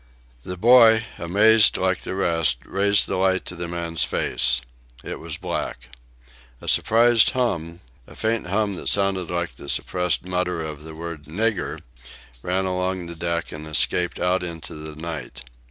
The boy, amazed like the rest, raised the light to the man's face. It was black. A surprised hum a faint hum that sounded like the suppressed mutter of the word "Nigger" ran along the deck and escaped out into the night.